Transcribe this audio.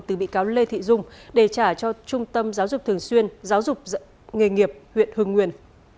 từ bị cáo lê thị dung để trả cho trung tâm giáo dục thường xuyên giáo dục nghề nghiệp huyện hương nguyên